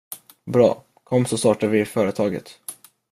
Bra, kom så startar vi företaget.